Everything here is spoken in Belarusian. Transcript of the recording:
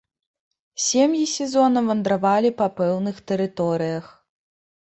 Сем'і сезонна вандравалі па пэўных тэрыторыях.